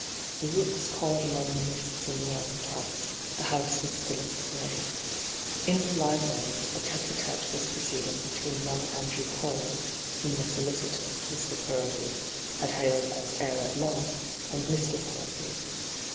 The rooks cawed among the mists in the elm tops ; the house was still as the grave. In the library a tSte drtSte was proceeding between young Andrew Quarles, whom the soHoitor, Mr. Purlby, had hailed as heir at law, and Mr. Purlby.